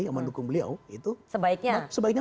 yang mendukung beliau itu sebaiknya